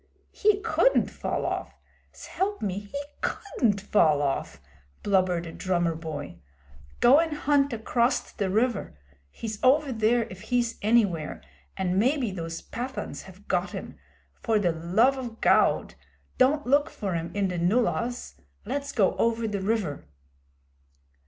'He couldn't fall off! S'elp me, 'e couldn't fall off,' blubbered a drummer boy. 'Go an' hunt acrost the river. He's over there if he's anywhere, an' maybe those Pathans have got 'im. For the love o' Gawd don't look for 'im in the nullahs! Let's go over the river.'